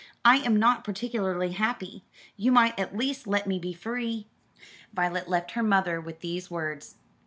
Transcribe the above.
I am not particularly happy. You might at least let me be free." Violet left her mother with these words.